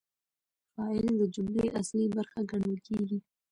فاعل د جملې اصلي برخه ګڼل کیږي.